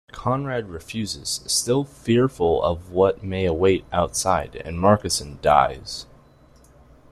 Conrad refuses, still fearful of what may await outside, and Marcusson dies.